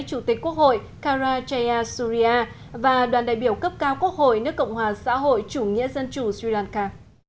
chủ tịch quốc hội karajaya surya và đoàn đại biểu cấp cao quốc hội nước cộng hòa xã hội chủ nghĩa dân chủ sri lanka